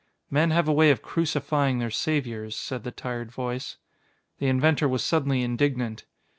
"Men have a way of crucifying their saviors," said the tired voice. The inventor was suddenly indignant.